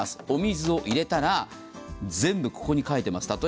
お水を入れたら、全部、ここに書いてます。